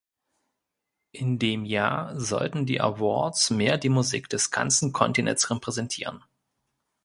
In dem Jahr sollten die Awards mehr die Musik des ganzen Kontinents repräsentieren.